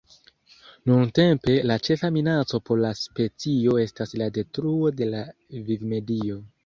Nuntempe, la ĉefa minaco por la specio estas la detruo de la vivmedio.